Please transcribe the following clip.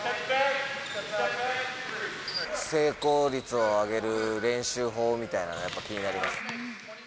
成功率を上げる練習法みたいなの、やっぱり気になります。